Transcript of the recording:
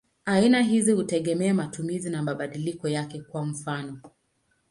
Aina hizi hutegemea matumizi na mabadiliko yake; kwa mfano.